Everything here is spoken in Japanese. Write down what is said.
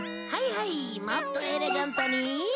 はいもっとエレガントにー！